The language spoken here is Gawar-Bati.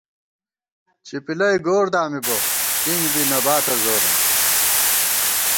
چپِلئی گور دامِبہ ، ٹِنگ بی نہ باتہ زوراں